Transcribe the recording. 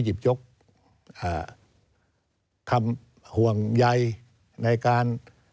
เรียกยกคำห่วงใหญ่ในการ